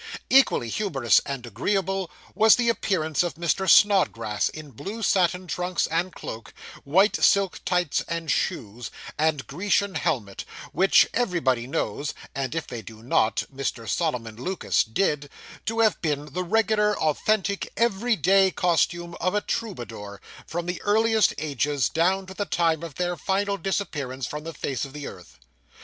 Equally humorous and agreeable was the appearance of Mr. Snodgrass in blue satin trunks and cloak, white silk tights and shoes, and Grecian helmet, which everybody knows (and if they do not, Mr. Solomon Lucas did) to have been the regular, authentic, everyday costume of a troubadour, from the earliest ages down to the time of their final disappearance from the face of the earth.